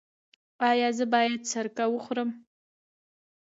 ایا زه باید سرکه وخورم؟